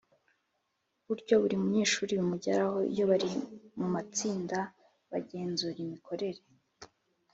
buryo buri munyeshuri bimugeraho. Iyo bari mu matsinda ugenzura imikorere